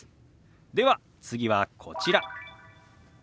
では次はこちら。